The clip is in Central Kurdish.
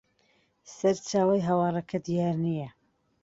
سەرچاوەی هەواڵەکە دیار نییە